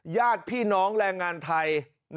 ญาติพี่น้องแรงงานไทย